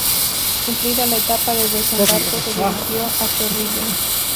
Cumplida la etapa de desembarco de dirigió a Chorrillos.